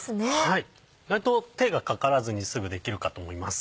はい意外と手がかからずにすぐできるかと思います。